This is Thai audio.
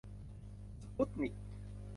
สปุตนิก